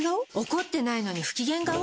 怒ってないのに不機嫌顔？